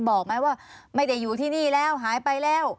บอกไหมว่าไม่ได้อยู่ที่นี่แล้วหายไปแล้ว